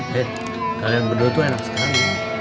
heat kalian berdua tuh enak sekali